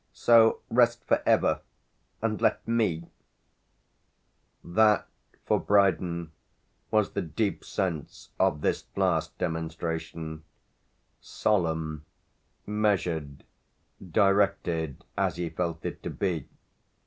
So rest for ever and let me!" That, for Brydon, was the deep sense of this last demonstration solemn, measured, directed, as he felt it to be.